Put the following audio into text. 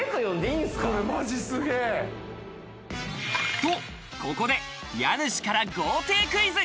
と、ここで家主から豪邸クイズ！